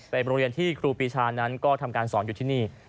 เป็นโรงเรียนที่ครูปีชานั้นก็ทำการสอนอยู่ที่นี่